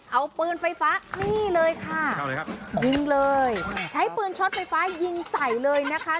เอาปืนไฟฟ้านี่เลยค่ะยิงเลยใช้ปืนช็อตไฟฟ้ายิงใส่เลยนะคะ